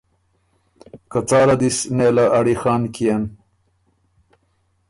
که څاله دی سو نېله اړیخن کيېن۔